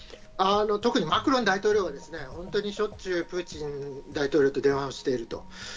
特にマクロン大統領はしょっちゅうプーチン大統領と電話をしている。